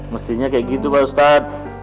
mestinya kayak gitu pak ustadz